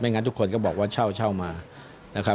ไม่งั้นทุกคนก็บอกว่าเช่ามานะครับ